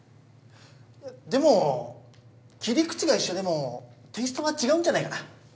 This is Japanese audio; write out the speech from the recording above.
でも切り口が一緒でもテイストが違うんじゃないかな？